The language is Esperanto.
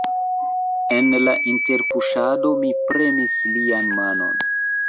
En la interpuŝado mi premis lian manon.